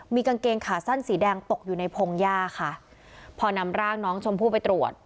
มีกางเกงขาสั้นสีแดงตกอยู่ในพงหญ้าค่ะพอนำร่างน้องชมพู่ไปตรวจ